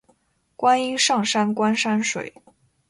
观音山上观山水